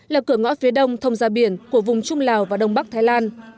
là cửa ngõ phía đông thông ra biển của vùng trung lào và đông bắc thái lan